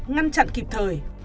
ngăn chặn kịp thời